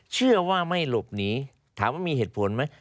เชื่อว่าไม่หลบหนีถามว่ามีเหตุผลไหม